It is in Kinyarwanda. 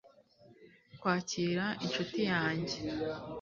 kwakira inshuti yanjye